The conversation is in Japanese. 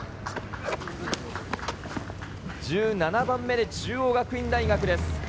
１７番目で中央学院大学です。